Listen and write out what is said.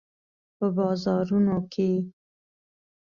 په بازارونو کې